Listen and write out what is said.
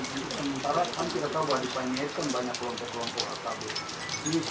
sementara kami tidak tahu bahwa dipanjakan banyak kelompok kelompok akabat